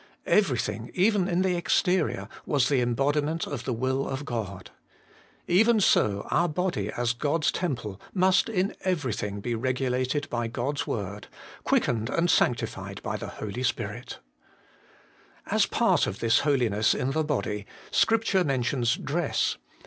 Everything, even in the exterior, was the embodiment of the will of God. Even so our body, as God's temple, must in everything be regulated by God's word, quickened and sanctified by the Holy Spirit. HOLINESS AND THE BODY. 209 2. As part of this holiness in the body, Scripture mentions dress.